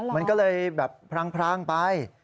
มันก็เลยแบบพรางไป